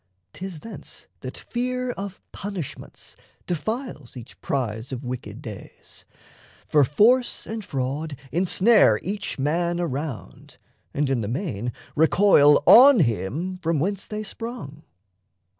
'Tis thence That fear of punishments defiles each prize Of wicked days; for force and fraud ensnare Each man around, and in the main recoil On him from whence they sprung.